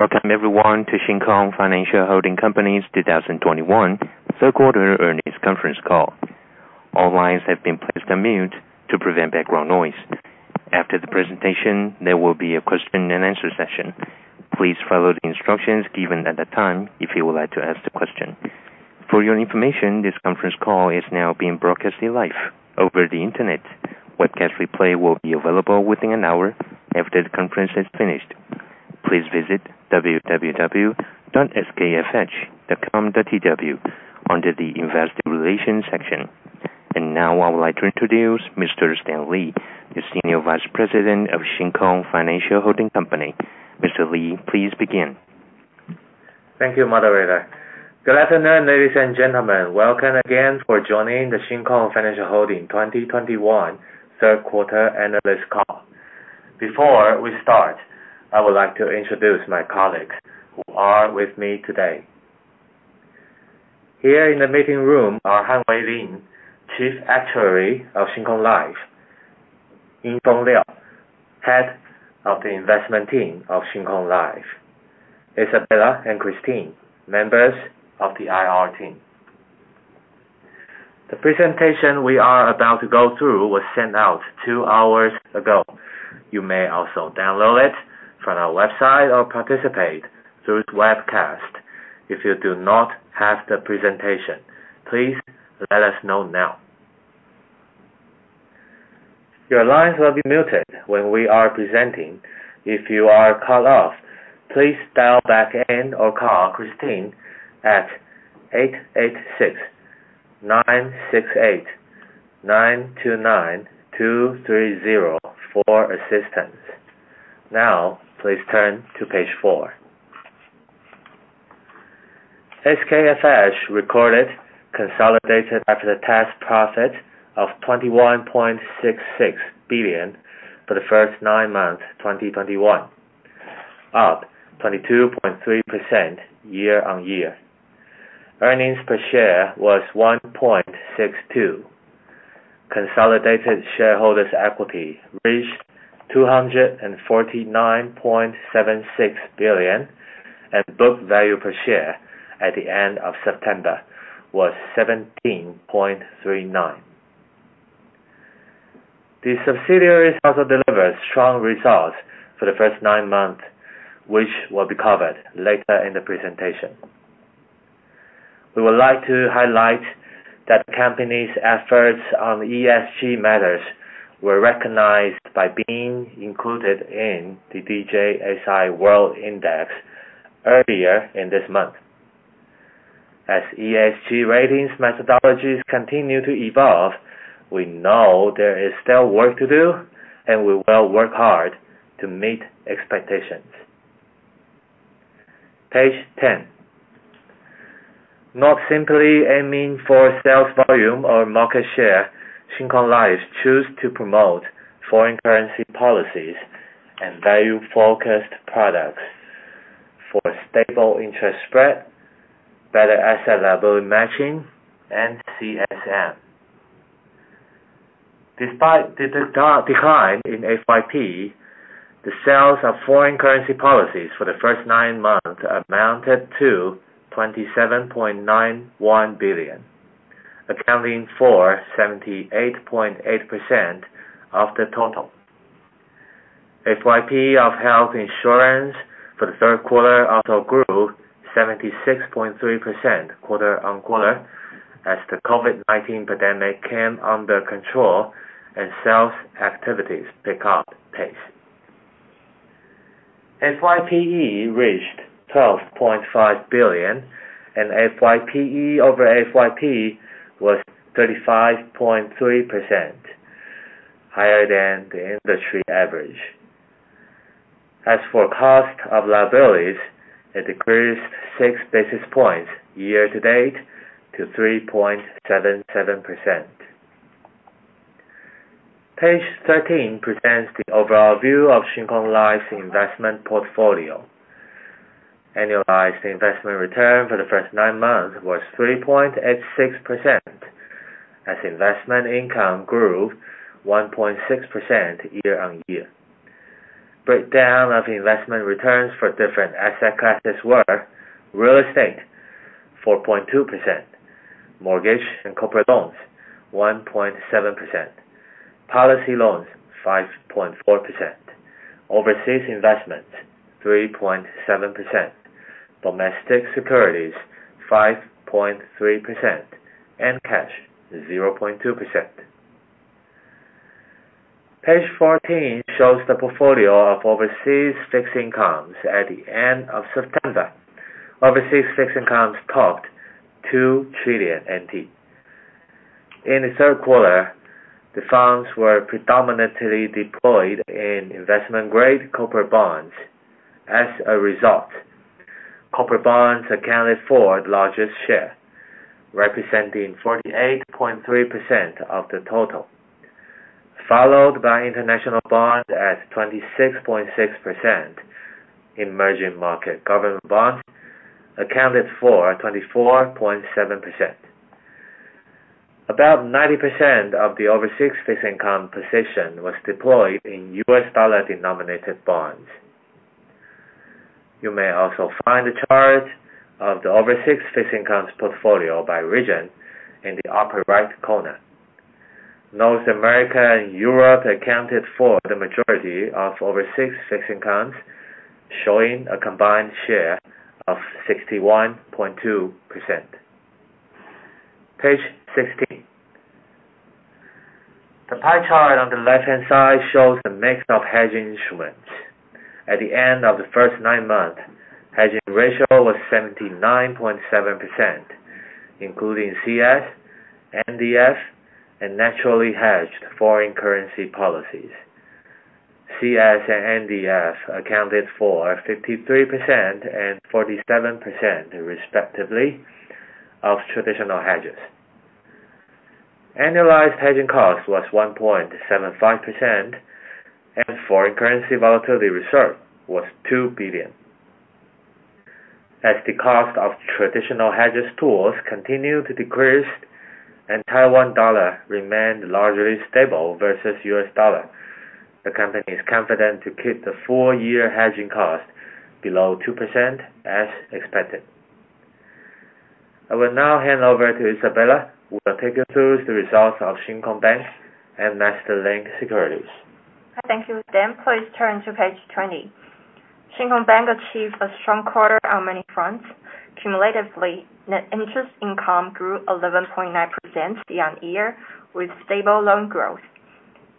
Welcome everyone to Shin Kong Financial Holding Company's 2021 third quarter earnings conference call. All lines have been placed on mute to prevent background noise. After the presentation, there will be a question and answer session. Please follow the instructions given at that time if you would like to ask the question. For your information, this conference call is now being broadcasted live over the Internet. Webcast replay will be available within an hour after the conference is finished. Please visit www.skfh.com.tw under the Investor Relations section. Now I would like to introduce Mr. Stan Lee, the Senior Vice President of Shin Kong Financial Holding Company. Mr. Lee, please begin. Thank you, moderator. Good afternoon, ladies and gentlemen. Welcome again for joining the Shin Kong Financial Holding 2021 third quarter analyst call. Before we start, I would like to introduce my colleagues who are with me today. Here in the meeting room are Han-Wei Lin, Chief Actuary of Shin Kong Life; Ying-Feng Liao, Head of the Investment Team of Shin Kong Life; Isabella and Christine, members of the IR team. The presentation we are about to go through was sent out two hours ago. You may also download it from our website or participate through webcast. If you do not have the presentation, please let us know now. Your lines will be muted when we are presenting. If you are cut off, please dial back in or call Christine at 886-9689-29230 for assistance. Now, please turn to page 4. SKFH recorded consolidated after-tax profit of 21.66 billion for the first nine months 2021, up 22.3% year-on-year. Earnings per share was 1.62. Consolidated shareholders' equity reached 249.76 billion, and book value per share at the end of September was 17.39. The subsidiaries also delivered strong results for the first 9 months, which will be covered later in the presentation. We would like to highlight that the company's efforts on ESG matters were recognized by being included in the DJSI World Index earlier in this month. As ESG ratings methodologies continue to evolve, we know there is still work to do, and we will work hard to meet expectations. Page 10. Not simply aiming for sales volume or market share, Shin Kong Life choose to promote foreign currency policies and value focused products for stable interest spread, better asset liability matching, and CSM. Despite the decline in FYP, the sales of foreign currency policies for the first nine months amounted to 27.91 billion, accounting for 78.8% of the total. FYP of health insurance for the third quarter also grew 76.3% quarter-on-quarter as the COVID-19 pandemic came under control and sales activities pick up pace. FYPE reached 12.5 billion, and FYPE over FYP was 35.3% higher than the industry average. As for cost of liabilities, it decreased 6 basis points year to date to 3.77%. Page 13 presents the overall view of Shin Kong Life's investment portfolio. Annualized investment return for the first nine months was 3.86% as investment income grew 1.6% year-on-year. Breakdown of investment returns for different asset classes were real estate, 4.2%; mortgage and corporate loans, 1.7%; policy loans, 5.4%; overseas investments, 3.7%; domestic securities, 5.3%; and cash, 0.2%. Page 14 shows the portfolio of overseas fixed incomes at the end of September. Overseas fixed incomes topped NT 2 trillion. In the third quarter, the funds were predominantly deployed in investment-grade corporate bonds. As a result, corporate bonds accounted for the largest share, representing 48.3% of the total, followed by international bond at 26.6%. Emerging market government bonds accounted for 24.7%. About 90% of the overseas fixed income position was deployed in US dollar denominated bonds. You may also find a chart of the overseas fixed incomes portfolio by region in the upper right corner. North America and Europe accounted for the majority of overseas fixed incomes, showing a combined share of 61.2%. Page 16. The pie chart on the left-hand side shows the mix of hedging instruments. At the end of the first nine months, hedging ratio was 79.7%, including CS, NDF, and naturally hedged foreign currency policies. CS and NDF accounted for 53% and 47%, respectively, of traditional hedges. Annualized hedging cost was 1.75%, and foreign currency volatility reserve was 2 billion. As the cost of traditional hedging tools continue to decrease and Taiwan dollar remained largely stable versus US dollar, the company is confident to keep the full year hedging cost below 2% as expected. I will now hand over to Isabella, who will take you through the results of Shin Kong Bank and MasterLink Securities. Thank you, Stan Lee. Please turn to page 20. Shin Kong Bank achieved a strong quarter on many fronts. Cumulatively, net interest income grew 11.9% year-on-year with stable loan growth.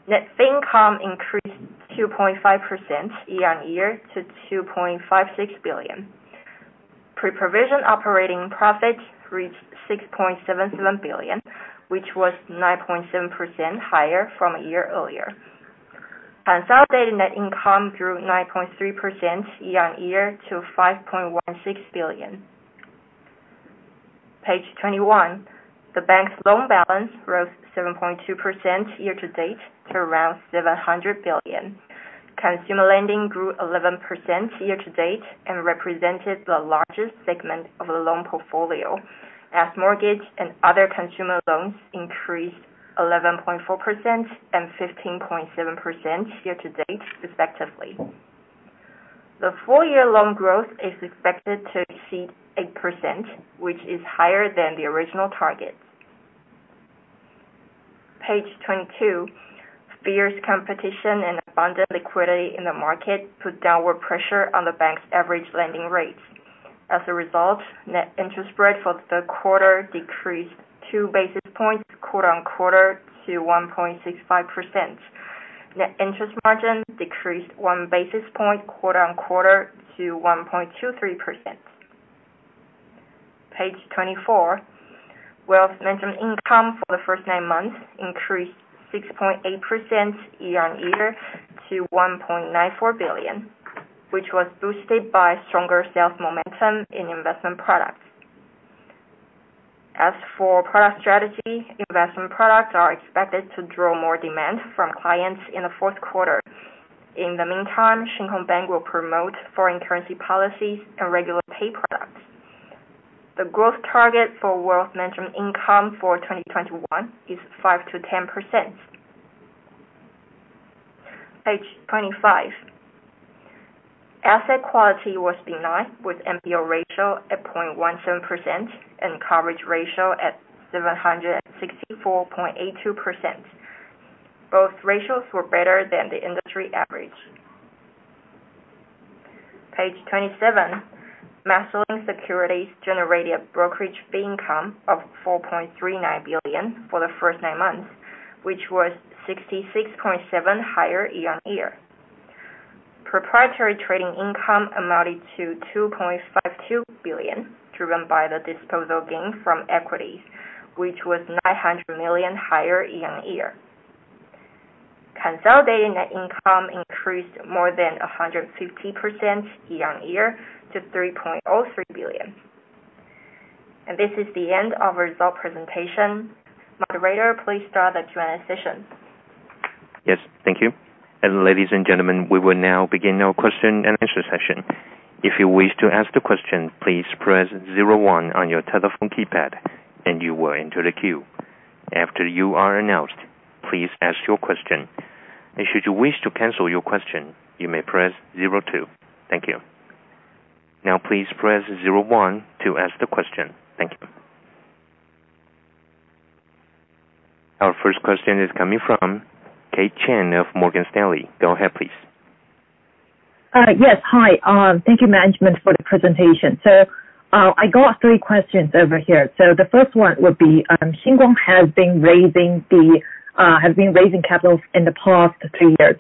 Net fee income increased 2.5% year-on-year to 2.56 billion. Pre-provision operating profit reached 6.77 billion, which was 9.7% higher from a year earlier. Consolidated net income grew 9.3% year-on-year to 5.16 billion. Page 21. The bank's loan balance rose 7.2% year to date to around 700 billion. Consumer lending grew 11% year to date and represented the largest segment of the loan portfolio as mortgage and other consumer loans increased 11.4% and 15.7% year to date, respectively. The full year loan growth is expected to exceed 8%, which is higher than the original targets. Page 22. Fierce competition and abundant liquidity in the market put downward pressure on the bank's average lending rates. As a result, net interest spread for the third quarter decreased 2 basis points quarter-on-quarter to 1.65%. Net interest margin decreased 1 basis point quarter-on-quarter to 1.23%. Page 24. Wealth management income for the first nine months increased 6.8% year-on-year to 1.94 billion, which was boosted by stronger sales momentum in investment products. As for product strategy, investment products are expected to draw more demand from clients in the fourth quarter. In the meantime, Shin Kong Bank will promote foreign currency policies and regular pay products. The growth target for wealth management income for 2021 is 5%-10%. Page 25. Asset quality was benign, with NPL ratio at 0.17% and coverage ratio at 764.82%. Both ratios were better than the industry average. Page 27. MasterLink Securities generated a brokerage fee income of 4.39 billion for the first nine months, which was 66.7% higher year-on-year. Proprietary trading income amounted to 2.52 billion, driven by the disposal gain from equities, which was 900 million higher year-on-year. Consolidated net income increased more than 150% year-on-year to 3.03 billion. This is the end of result presentation. Moderator, please start the Q&A session. Yes, thank you. Ladies and gentlemen, we will now begin our question and answer session. If you wish to ask the question, please press zero one on your telephone keypad and you will enter the queue. After you are announced, please ask your question. Should you wish to cancel your question, you may press zero two. Thank you. Now, please press zero one to ask the question. Thank you. Our first question is coming from Kate Chen of Morgan Stanley. Go ahead, please. Yes. Hi. Thank you management for the presentation. I got three questions over here. The first one would be, Shin Kong has been raising capital in the past three years.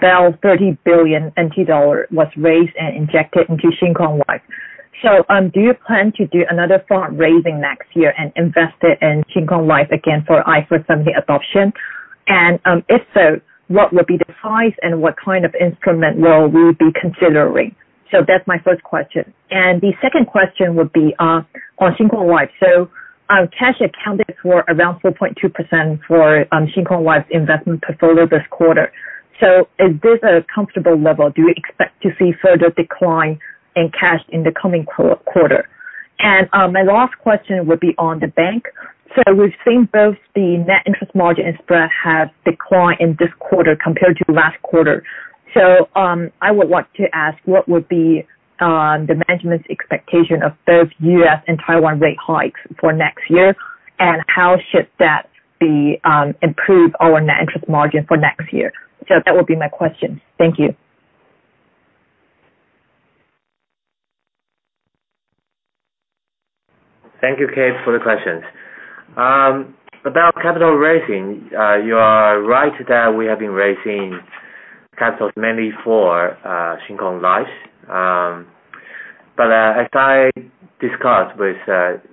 30 billion NT dollar was raised and injected into Shin Kong Life. Do you plan to do another fund raising next year and invest it in Shin Kong Life again for IFRS 17 adoption? If so, what would be the size and what kind of instrument will we be considering? That's my first question. The second question would be on Shin Kong Life. Cash accounted for around 4.2% for Shin Kong Life investment portfolio this quarter. Is this a comfortable level? Do you expect to see further decline in cash in the coming quarter? My last question would be on the bank. We've seen both the net interest margin spread have declined in this quarter compared to last quarter. I would like to ask, what would be the management's expectation of both U.S. and Taiwan rate hikes for next year, and how should that be improve our net interest margin for next year? That would be my question. Thank you. Thank you, Kate, for the questions. About capital raising, you are right that we have been raising capital mainly for Shin Kong Life. As I discussed with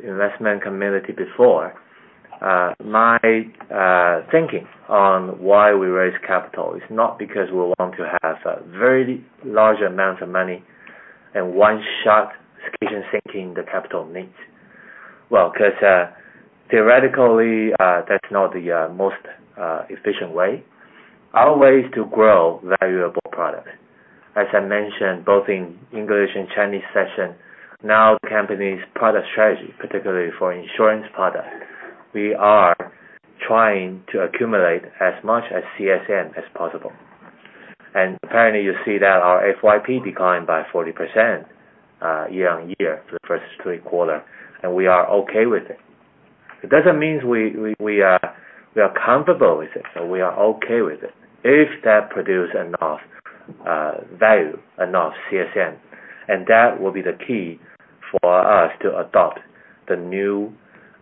investment community before, my thinking on why we raise capital is not because we want to have a very large amount of money in one shot kitchen sinking the capital needs. Well, 'cause theoretically that's not the most efficient way. Our way is to grow valuable product. As I mentioned, both in English and Chinese session, now the company's product strategy, particularly for insurance product, we are trying to accumulate as much CSM as possible. Apparently, you see that our FYP declined by 40% year-on-year for the first three quarters, and we are okay with it. It doesn't mean we are comfortable with it, but we are okay with it. If that produce enough value, enough CSM, and that will be the key for us to adopt the new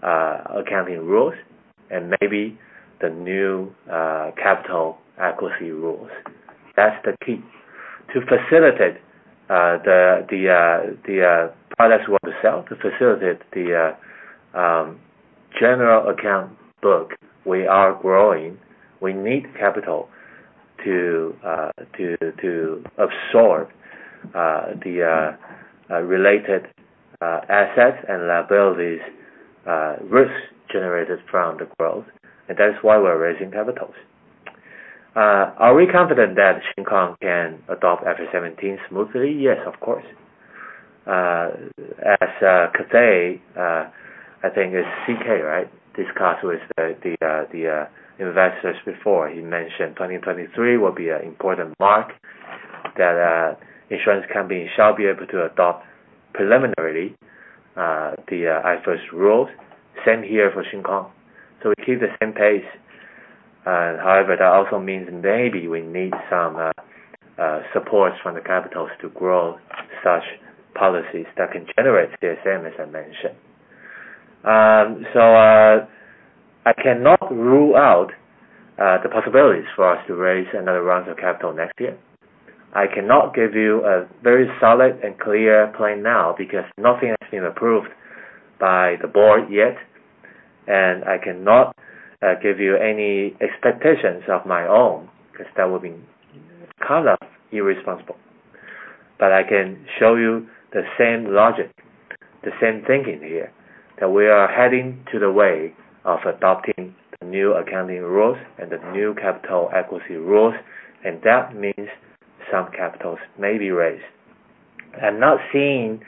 accounting rules and maybe the new capital adequacy rules. That's the key. To facilitate the products we want to sell, to facilitate the general account book we are growing, we need capital to absorb the related assets and liabilities, risks generated from the growth. That's why we're raising capitals. Are we confident that Shin Kong can adopt IFRS 17 smoothly? Yes, of course. As Cathay, I think it's CK, right, discussed with the investors before. He mentioned 2023 will be an important mark that insurance company shall be able to adopt preliminarily the IFRS rules. Same here for Shin Kong. We keep the same pace. However, that also means maybe we need some support from capital to grow such policies that can generate CSM, as I mentioned. I cannot rule out the possibilities for us to raise another round of capital next year. I cannot give you a very solid and clear plan now because nothing has been approved by the board yet, and I cannot give you any expectations of my own, because that would be kind of irresponsible. I can show you the same logic, the same thinking here, that we are heading to the way of adopting the new accounting rules and the new capital equity rules, and that means some capitals may be raised. I'm not seeing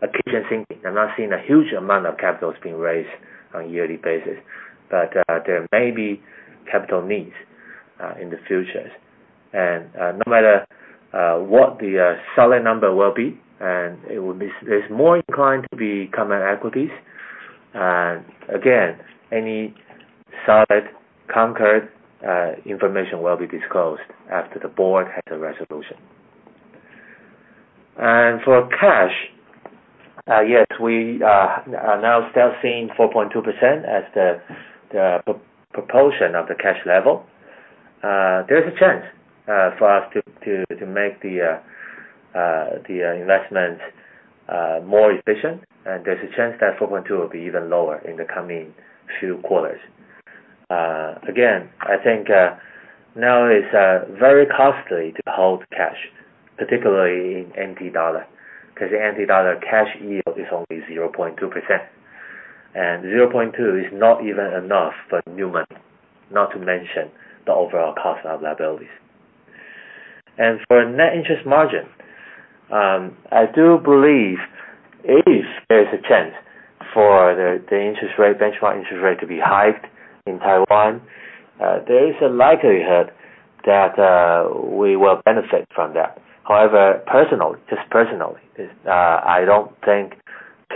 a kitchen sinking. I'm not seeing a huge amount of capitals being raised on a yearly basis. There may be capital needs in the future. No matter what the solid number will be, and it will be more inclined to be common equities. Again, any solid concrete information will be disclosed after the board has a resolution. For cash, yes, we are now still seeing 4.2% as the proportion of the cash level. There's a chance for us to make the investment more efficient, and there's a chance that 4.2 will be even lower in the coming few quarters. Again, I think now it's very costly to hold cash, particularly in NT dollar, 'cause the NT dollar cash yield is only 0.2%. 0.2 is not even enough for new money, not to mention the overall cost of liabilities. For net interest margin, I do believe if there is a chance for the interest rate, benchmark interest rate to be hiked in Taiwan, there is a likelihood that we will benefit from that. However, personally, I don't think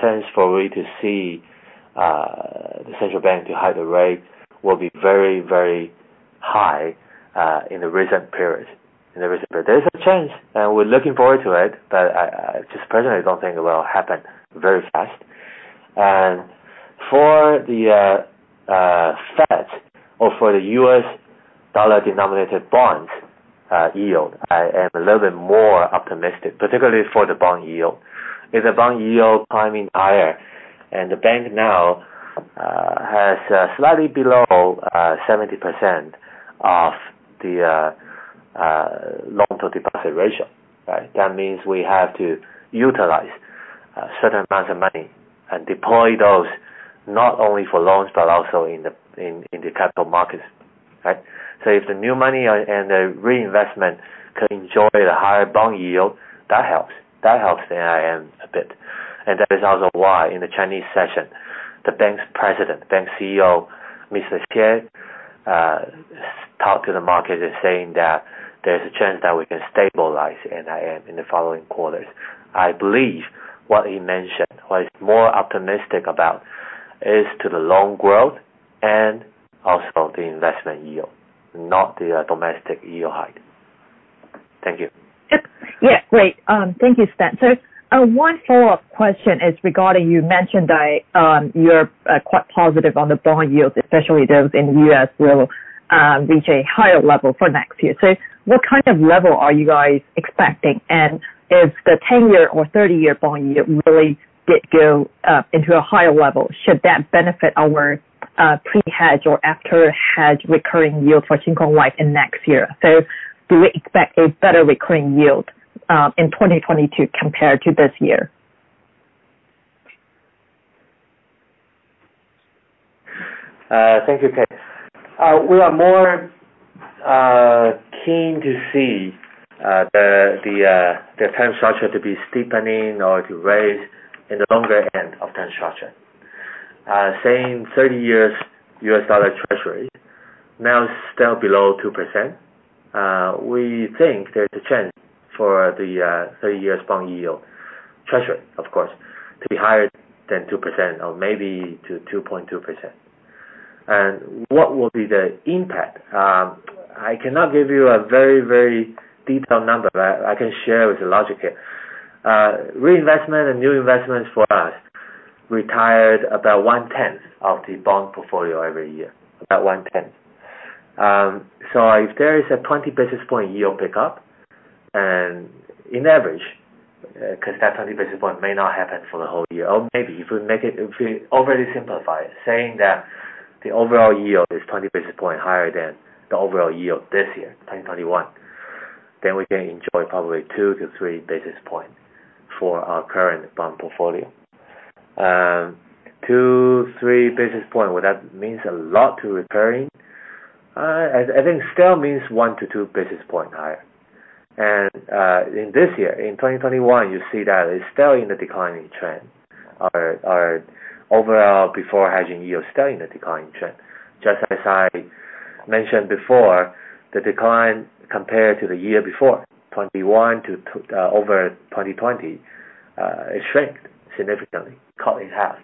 chance for we to see the Central Bank to hike the rate will be very, very high in the recent periods. There's a chance, and we're looking forward to it, but I just personally don't think it will happen very fast. For the Fed or for the US dollar-denominated bonds yield, I am a little bit more optimistic, particularly for the bond yield. If the bond yield climbing higher and the bank now has slightly below 70% of the loan to deposit ratio, right? That means we have to utilize certain amounts of money and deploy those not only for loans but also in the capital markets, right? If the new money and the reinvestment can enjoy the higher bond yield, that helps. That helps NIM a bit. That is also why in the Chinese session, the bank's president, bank CEO, Mr. Xie, talked to the market in saying that there's a chance that we can stabilize NIM in the following quarters. I believe what he mentioned, what he's more optimistic about is to the loan growth and also the investment yield, not the domestic yield height. Thank you. Yeah. Great. Thank you, Stan. One follow-up question is regarding what you mentioned that you're quite positive on the bond yields, especially those in the U.S. will reach a higher level for next year. What kind of level are you guys expecting? And if the 10-year or 30-year bond yield really did go into a higher level, should that benefit our pre-hedge or after-hedge recurring yield for Shin Kong Life in next year? Do we expect a better recurring yield in 2022 compared to this year? Thank you, Kate. We are more keen to see the term structure to be steepening or to raise in the longer end of term structure. Saying 30-year U.S. dollar Treasury now is still below 2%. We think there's a chance for the 30-year bond yield Treasury, of course, to be higher than 2% or maybe to 2.2%. What will be the impact? I cannot give you a very, very detailed number. I can share with the logic here. Reinvestment and new investments for us retired about 1/10 of the bond portfolio every year. About 1/10. If there is a 20 basis points yield pickup, and on average, 'cause that 20 basis points may not happen for the whole year, or maybe if we make it, if we overly simplify it, saying that the overall yield is 20 basis points higher than the overall yield this year, 2021, then we can enjoy probably 2-3 basis points for our current bond portfolio. 2-3 basis points, would that mean a lot to recurring? I think still means 1-2 basis points higher. In this year, in 2021, you see that it's still in the declining trend. Our overall before hedging yield is still in the declining trend. Just as I mentioned before, the decline compared to the year before, 2021 over 2020, it shrank significantly, cut in half.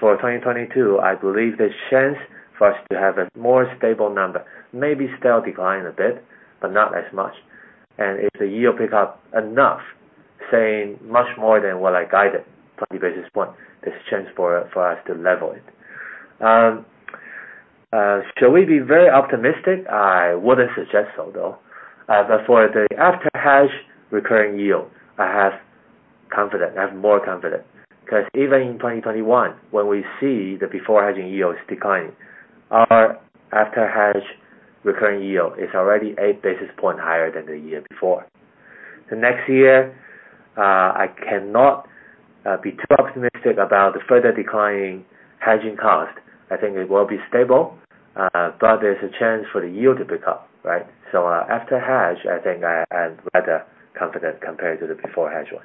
For 2022, I believe there's chance for us to have a more stable number, maybe still decline a bit, but not as much. If the yield pick up enough, saying much more than what I guided, 20 basis point, there's chance for us to level it. Shall we be very optimistic? I wouldn't suggest so, though. But for the after-hedge recurring yield, I have confident, I have more confident. 'Cause even in 2021, when we see the before hedging yield is declining, our after-hedge recurring yield is already 8 basis point higher than the year before. The next year, I cannot be too optimistic about the further declining hedging cost. I think it will be stable, but there's a chance for the yield to pick up, right? after hedge, I think I am rather confident compared to the before hedge one.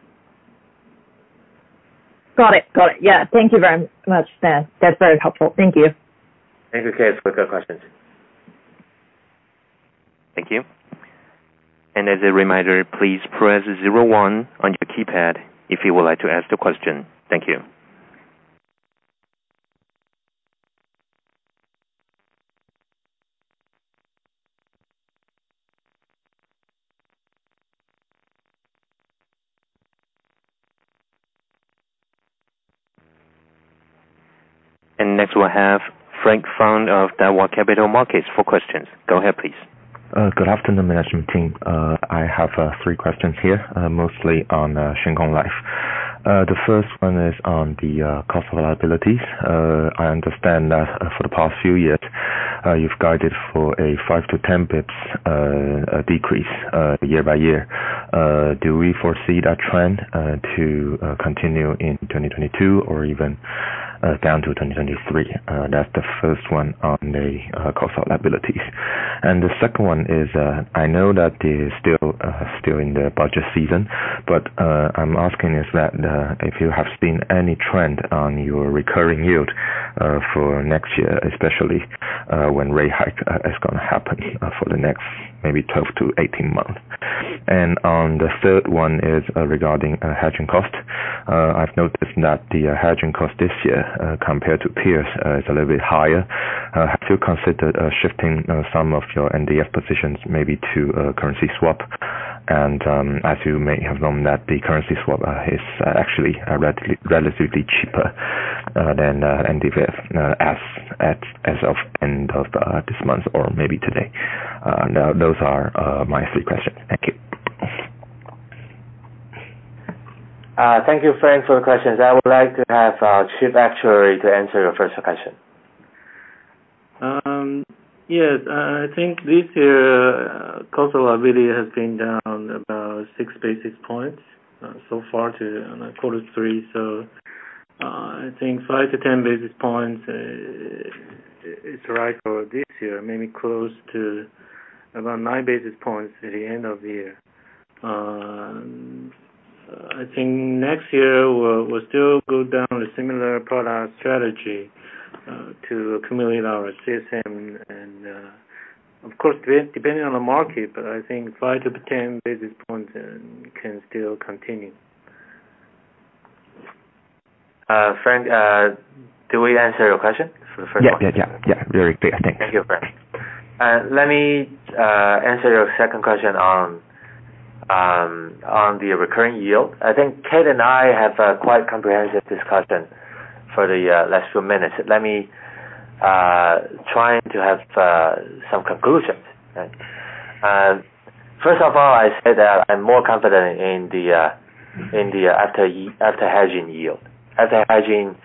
Got it. Got it. Yeah. Thank you very much, Stan. That's very helpful. Thank you. Thank you, Kate, for the questions. Thank you. As a reminder, please press zero one on your keypad if you would like to ask the question. Thank you. Next we'll have Frank Fang of Daiwa Capital Markets for questions. Go ahead please. Good afternoon management team. I have three questions here, mostly on Shin Kong Life. The first one is on the cost of liabilities. I understand that for the past few years, you've guided for a 5-10 pips decrease year by year. Do we foresee that trend to continue in 2022 or even down to 2023? That's the first one on the cost of liabilities. The second one is, I know that it is still in the budget season, but I'm asking if you have seen any trend on your recurring yield for next year, especially when rate hike is gonna happen for the next maybe 12 to 18 months. On the third one is regarding hedging cost. I've noticed that the hedging cost this year compared to peers is a little bit higher. Have you considered shifting some of your NDF positions maybe to a currency swap? As you may have known that the currency swap is actually relatively cheaper than NDF as of end of this month or maybe today. Now those are my three questions. Thank you. Thank you, Frank Fang, for the questions. I would like to have our Chief Actuary to answer your first question. Yes. I think this year cost of liability has been down about 6 basis points so far to quarter three. I think 5-10 basis points is right for this year, maybe close to about 9 basis points at the end of the year. I think next year we'll still go with a similar product strategy to accumulate our CSM and, of course, depending on the market, but I think 5-10 basis points can still continue. Frank, did we answer your question for the first one? Yeah. Very clear. Thank you. Thank you, Frank. Let me answer your second question on the recurring yield. I think Kate and I have a quite comprehensive discussion for the last few minutes. Let me try to have some conclusions. Right? First of all, I say that I'm more confident in the after hedging yield. After hedging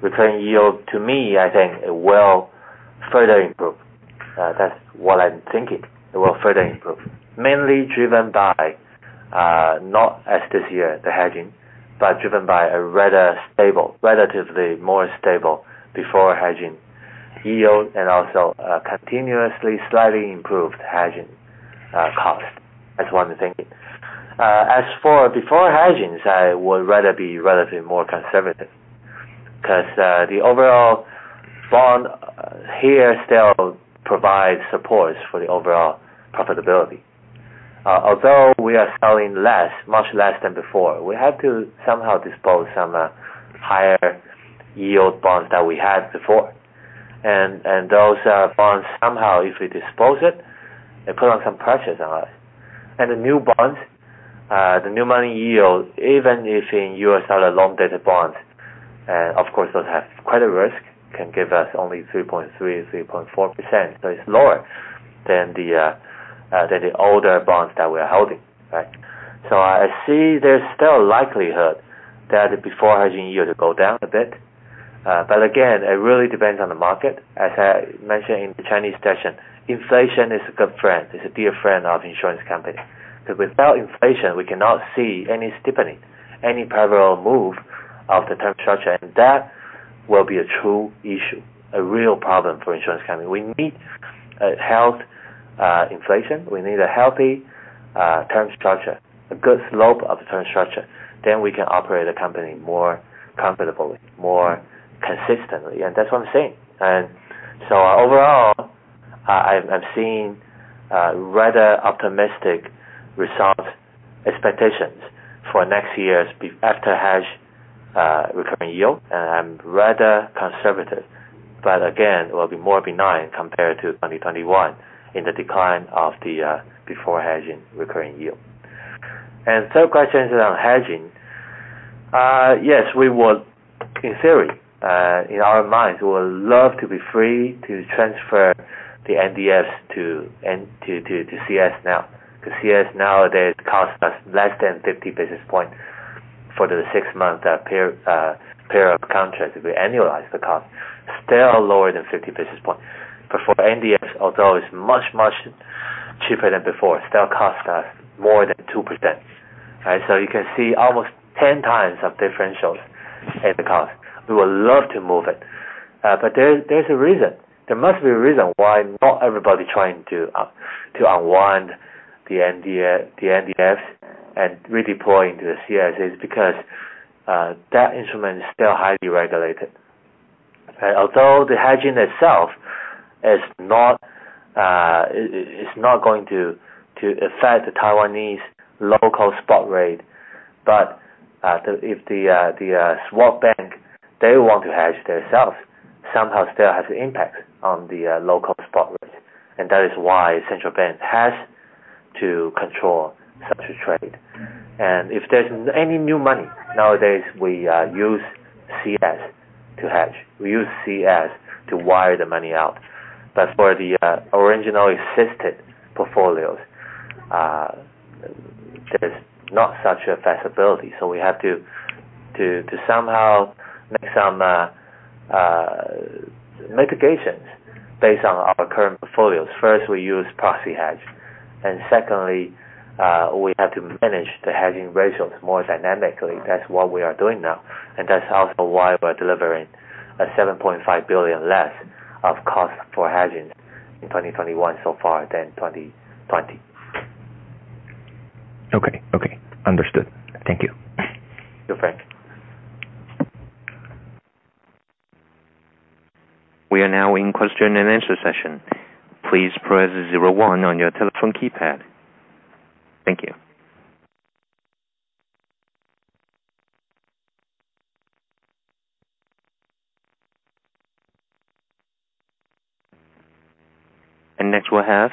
recurring yield, to me, I think it will further improve. That's what I'm thinking. It will further improve. Mainly driven by not as this year the hedging, but driven by a rather stable, relatively more stable before hedging yield and also continuously slightly improved hedging cost. That's one thing. As for before hedging, I would rather be relatively more conservative. 'Cause the overall bond here still provides supports for the overall profitability. Although we are selling less, much less than before, we have to somehow dispose some higher yield bonds that we had before. Those bonds, somehow, if we dispose it put on some pressures on us. The new bonds, the new money yield, even if in U.S. or other long-dated bonds, of course, those have credit risk, can give us only 3.3%-3.4%. It's lower than the older bonds that we are holding. Right? I see there's still likelihood that before hedging yields go down a bit. Again, it really depends on the market. As I mentioned in the Chinese session, inflation is a good friend. It's a dear friend of insurance company. 'Cause without inflation, we cannot see any steepening, any parallel move of the term structure. That will be a true issue, a real problem for insurance company. We need a healthy inflation. We need a healthy term structure, a good slope of term structure. We can operate the company more comfortably, more consistently. That's what I'm saying. Overall, I've seen a rather optimistic result expectations for next year's before-hedge recurring yield. I'm rather conservative, but again, will be more benign compared to 2021 in the decline of the before-hedging recurring yield. Third question is on hedging. Yes, we would, in theory, in our minds, we would love to be free to transfer the NDFs to CS now. Because CS nowadays costs us less than 50 basis points for the six-month per period of contract. If we annualize the cost, still lower than 50 basis points. For NDFs, although it's much cheaper than before, still cost us more than 2%. Right? You can see almost 10x of differentials in the cost. We would love to move it. There, there's a reason. There must be a reason why not everybody trying to unwind the NDFs and redeploy into the CS is because that instrument is still highly regulated. Right? Although the hedging itself is not going to affect the Taiwanese local spot rate. If the swap bank, they want to hedge themselves, somehow still has an impact on the local spot rate. That is why Central Bank has to control such a trade. If there's any new money, nowadays, we use CS to hedge. We use CS to wire the money out. But for the original existed portfolios, there's not such a flexibility. So we have to somehow make some mitigations based on our current portfolios. First, we use proxy hedge, and secondly, we have to manage the hedging ratios more dynamically. That's what we are doing now. That's also why we're delivering 7.5 billion less of cost for hedging in 2021 so far than 2020. Okay. Understood. Thank you. You're welcome. We are now in question and answer session. Please press zero one on your telephone keypad. Thank you. Next we'll have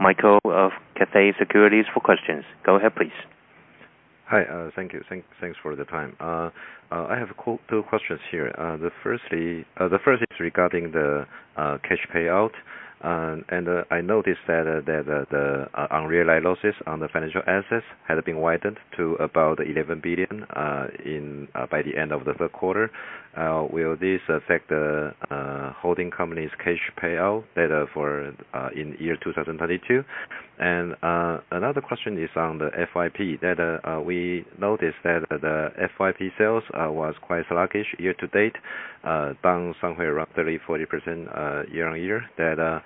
Michael of Cathay Securities for questions. Go ahead, please. Hi. Thank you. Thanks for the time. I have two questions here. The first is regarding the cash payout, and I noticed that the unrealized losses on the financial assets had been widened to about 11 billion by the end of the third quarter. Will this affect the holding company's cash payout that are for in year 2022? Another question is on the FYP that we noticed that the FYP sales was quite sluggish year to date, down somewhere roughly 40% year-over-year that.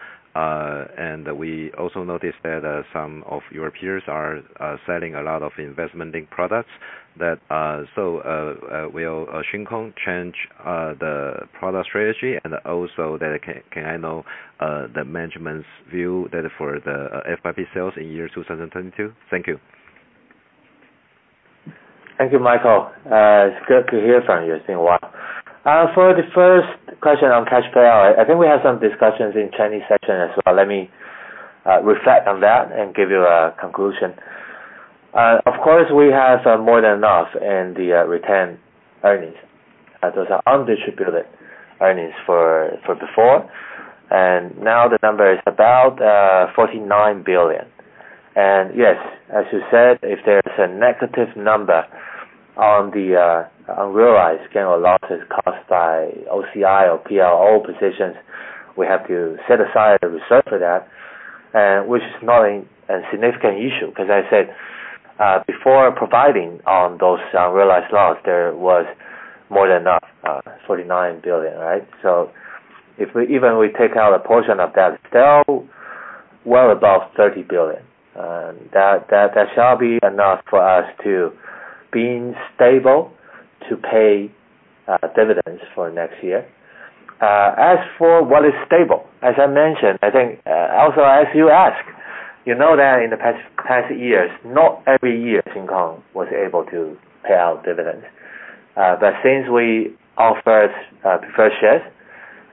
We also noticed that some of your peers are selling a lot of investment link products. So, will Shin Kong change the product strategy and also can I know the management's view for the FYP sales in 2022? Thank you. Thank you, Michael. It's good to hear from you. It's been a while. For the first question on cash payout, I think we have some discussions in Chinese session as well. Let me reflect on that and give you a conclusion. Of course, we have more than enough in the retained earnings. Those are undistributed earnings from before, and now the number is about 49 billion. Yes, as you said, if there's a negative number on the unrealized gain or losses caused by OCI or P&L positions, we have to set aside a reserve for that, which is not a significant issue. 'Cause I said before providing on those unrealized loss, there was more than enough 49 billion, right? If we even if we take out a portion of that, still well above 30 billion. That shall be enough for us to be stable to pay dividends for next year. As for what is stable, as I mentioned, I think, also as you ask, you know that in the past years, not every year Shin Kong was able to pay out dividends. But since we offer preferred shares,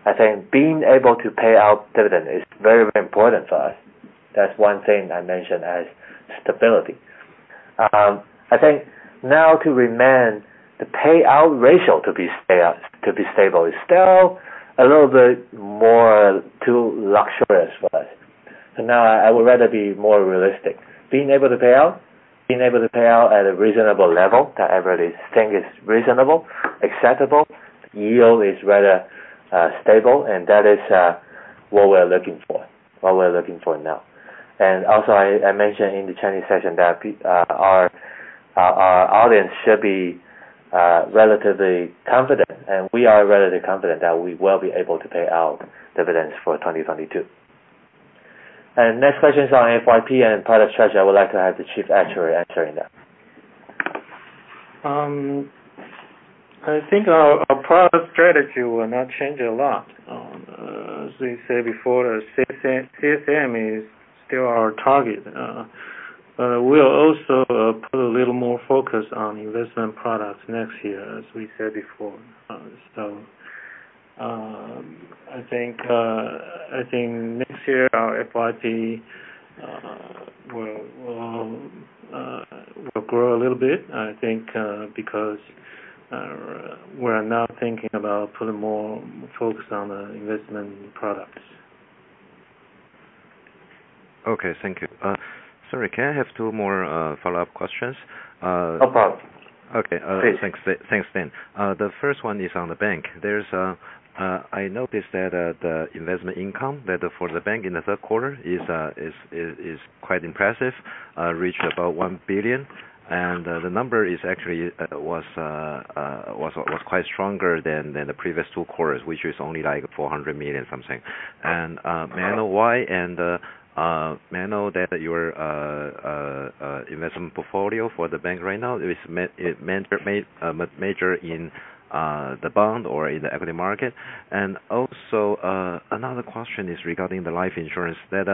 I think being able to pay out dividend is very important for us. That's one thing I mentioned as stability. I think now to remain the payout ratio to be stable is still a little bit too luxurious for us. Now I would rather be more realistic. Being able to pay out at a reasonable level that everybody think is reasonable, acceptable, yield is rather stable, and that is what we're looking for now. Also I mentioned in the Chinese session that our audience should be relatively confident, and we are relatively confident that we will be able to pay out dividends for 2022. Next question is on FYP and product strategy. I would like to have the Chief Actuary answering that. I think our product strategy will not change a lot. As we said before, CSM is still our target. We'll also put a little more focus on investment products next year, as we said before. I think next year our FYP will grow a little bit, I think, because we are now thinking about putting more focus on the investment products. Okay. Thank you. Sorry, can I have two more follow-up questions? Of course. Okay. Please. Thanks. Thanks, Stan Lee. The first one is on the bank. I noticed that the investment income for the bank in the third quarter is quite impressive, reached about 1 billion. The number is actually was quite stronger than the previous two quarters, which was only like 400 million something. Uh-huh. May I know that your investment portfolio for the bank right now is major in the bond or in the equity market? Also, another question is regarding the life insurance that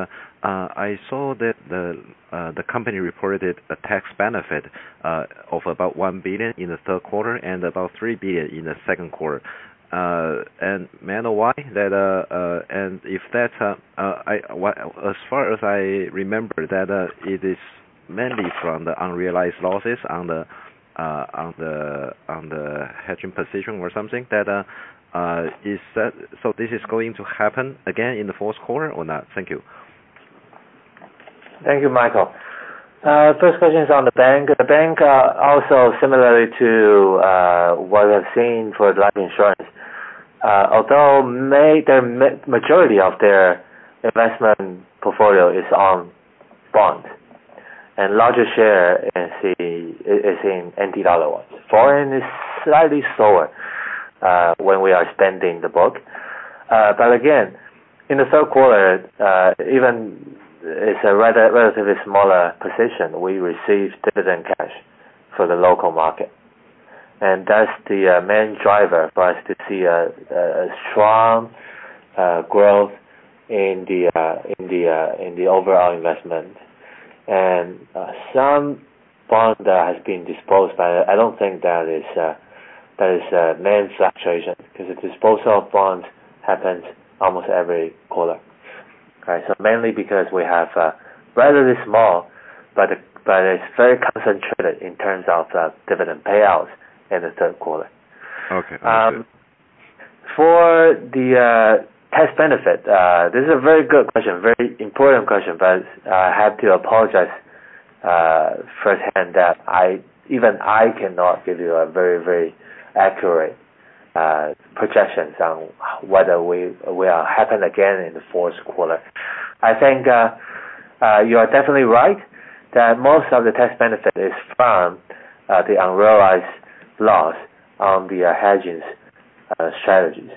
I saw that the company reported a tax benefit of about 1 billion in the third quarter and about 3 billion in the second quarter. May I know why that and if that's as far as I remember, it is mainly from the unrealized losses on the hedging position or something. This is going to happen again in the fourth quarter or not? Thank you. Thank you, Michael. First question is on the bank. The bank also similarly to what I've seen for life insurance, although the majority of their investment portfolio is in bonds, and larger share is in NT-dollar ones. Foreign is slightly slower when we are expanding the book. But again, in the third quarter, even it's a rather relatively smaller position, we received dividend cash from the local market. That's the main driver for us to see a strong growth in the overall investment. Some bonds that have been disposed by... I don't think that is a main fluctuation 'cause the disposal of bonds happens almost every quarter. Okay. Mainly because we have relatively small, but it's very concentrated in terms of dividend payouts in the third quarter. Okay. Understood. For the tax benefit, this is a very good question, very important question, but I have to apologize firsthand that even I cannot give you a very, very accurate projections on whether it will happen again in the fourth quarter. I think you are definitely right that most of the tax benefit is from the unrealized loss on the hedging strategies,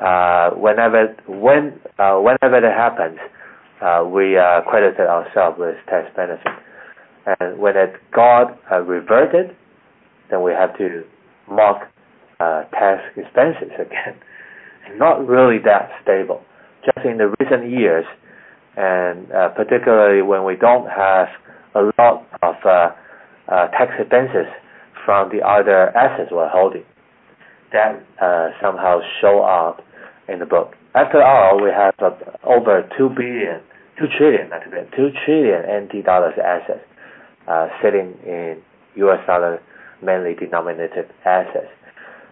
right? Whenever that happens, we credited ourselves with tax benefit. When it got reverted, then we have to mark tax expenses again. Not really that stable. Just in the recent years, particularly when we don't have a lot of tax expenses from the other assets we're holding. That somehow show up in the book. After all, we have over 2 trillion, not billion, 2 trillion assets sitting in US dollar mainly denominated assets.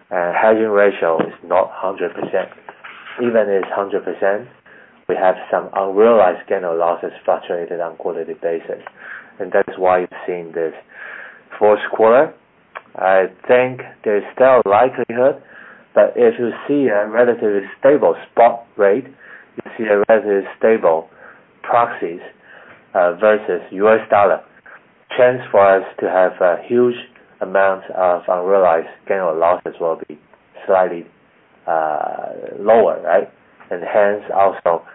Hedging ratio is not 100%. Even if it's 100%, we have some unrealized gain or losses fluctuated on quarterly basis, and that is why you're seeing this. In the fourth quarter, I think there's still likelihood that if you see a relatively stable spot rate, you see a relatively stable proxies versus US dollar, chance for us to have a huge amount of unrealized gain or losses will be slightly lower, right? Hence also,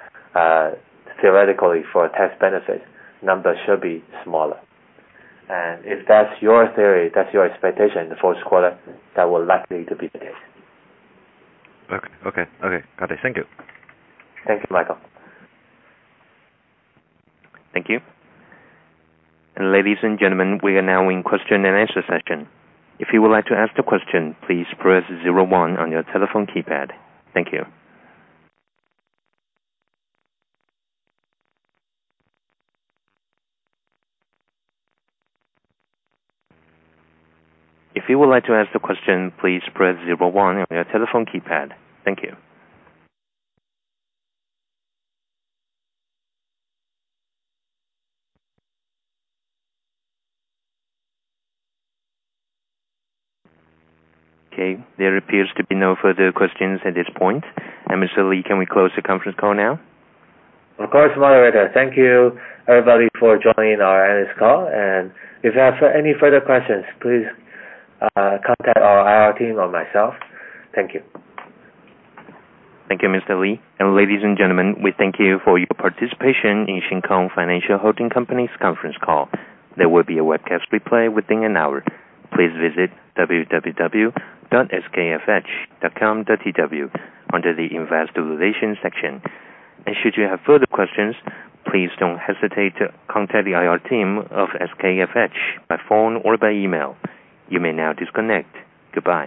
theoretically for tax benefit, numbers should be smaller. If that's your theory, that's your expectation in the fourth quarter, that will likely to be the case. Okay. Got it. Thank you. Thank you, Michael. Thank you. Ladies and gentlemen, we are now in question and answer session. Okay, there appears to be no further questions at this point. Mr. Lee, can we close the conference call now? Of course, moderator. Thank you everybody for joining our analyst call. If you have any further questions, please, contact our IR team or myself. Thank you. Thank you, Mr. Lee. Ladies and gentlemen, we thank you for your participation in Shin Kong Financial Holding Company's conference call. There will be a webcast replay within an hour. Please visit www.skfh.com.tw under the investor relations section. Should you have further questions, please don't hesitate to contact the IR team of SKFH by phone or by email. You may now disconnect. Goodbye.